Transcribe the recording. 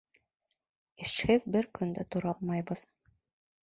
Эшһеҙ бер көн дә тора алмайбыҙ.